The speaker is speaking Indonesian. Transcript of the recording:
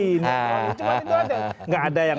cuma itu aja gak ada yang